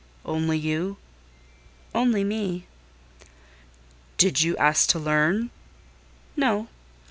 "Only you?" "Only me." "Did you ask to learn?" "No."